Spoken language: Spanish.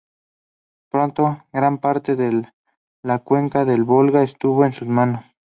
Pronto gran parte de la cuenca del Volga estuvo en sus manos.